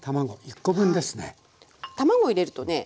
卵入れるとね